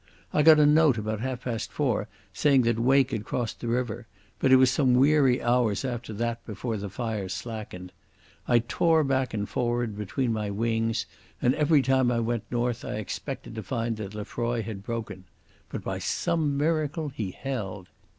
I got a note about half past four saying that Wake had crossed the river, but it was some weary hours after that before the fire slackened. I tore back and forward between my wings, and every time I went north I expected to find that Lefroy had broken. But by some miracle he held.